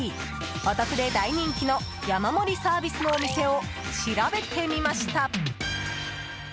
お得で大人気の山盛りサービスのお店を調べてみました。